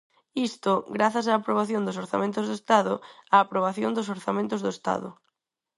Isto, grazas á aprobación dos orzamentos do Estado, a aprobación dos orzamentos do Estado.